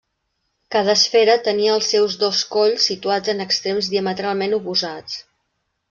Cada esfera tenia els seus dos colls situats en extrems diametralment oposats.